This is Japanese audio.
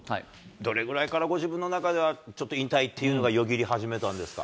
どれぐらいからご自分の中では、ちょっと引退というのがよぎり始めたんですか。